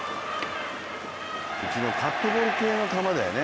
カットボール系の球だよね。